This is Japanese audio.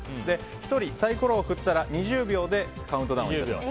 １人サイコロを振ったら２０秒でカウントダウン。